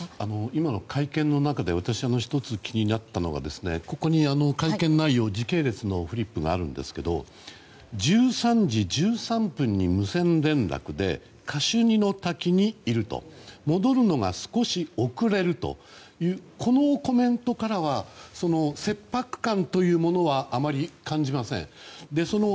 今の会見の中で私、１つ気になったのがここに会見内容の時系列のフリップがあるんですけど１３時１３分に無線連絡でカシュニの滝にいる戻るのが少し遅れるというこのコメントからは切迫感というものはあまり感じません。